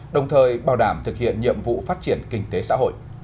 đồng thời bảo đảm thực hiện nhiệm vụ phát triển kinh tế xã hội